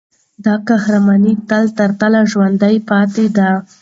دا قهرماني تله ترتله ژوندي پاتې ده.